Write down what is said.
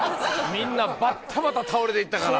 みんなバッタバタ倒れていったから。